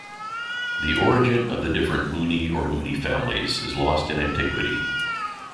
The origin of the different Moony or Mooney families is lost in antiquity.